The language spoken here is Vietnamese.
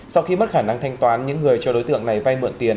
sau khi mất khả năng thanh toán những người cho đối tượng này vay mượn tiền